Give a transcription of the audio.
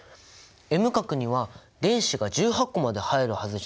Ｍ殻には電子が１８個まで入るはずじゃない？